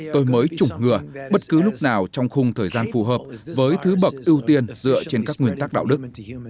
tôi mới chủng ngừa bất cứ lúc nào trong khung thời gian phù hợp với thứ bậc ưu tiên dựa trên các nguyên tắc đạo đức